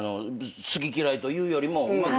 好き嫌いというよりも。